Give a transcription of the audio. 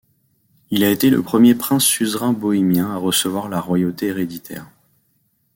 Il a été le premier prince suzerain bohémien à recevoir la royauté héréditaire.